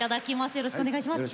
よろしくお願いします。